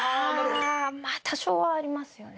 多少はありますよね